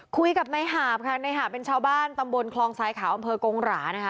คุยกับในหาบค่ะในหาบเป็นชาวบ้านตำบลคลองทรายขาวอำเภอกงหรานะคะ